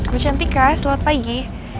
bu cantika selamat pagi